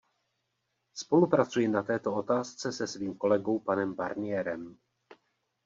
Spolupracuji na této otázce se svým kolegou panem Barnierem.